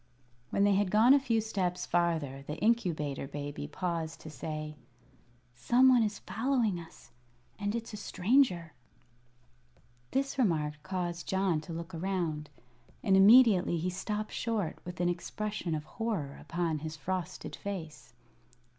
When they had gone a few steps farther the Incubator Baby paused to say: "Some one is following us, and it's a stranger." This remark caused John to look around, and immediately he stopped short with an expression of horror upon his frosted face.